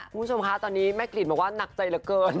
คุณผู้ชมคะตอนนี้แม่กลิ่นบอกว่าหนักใจเหลือเกิน